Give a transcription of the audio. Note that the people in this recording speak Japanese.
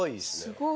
すごい。